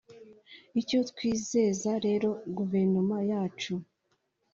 Icyo twizeza rero Guverinoma yacu